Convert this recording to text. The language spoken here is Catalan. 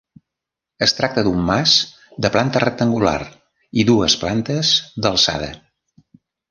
Es tracta d'un mas de planta rectangular i dues plantes d'alçada.